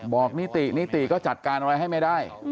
นิตินิติก็จัดการอะไรให้ไม่ได้